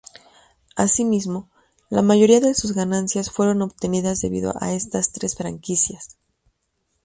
Asimismo, la mayoría de sus ganancias fueron obtenidas debido a estas tres franquicias.